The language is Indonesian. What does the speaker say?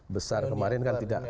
besar kemarin kan tidak